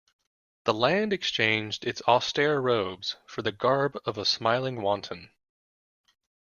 The land exchanged its austere robes for the garb of a smiling wanton.